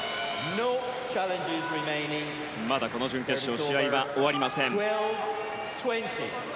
まだ、この準決勝試合は終わりません。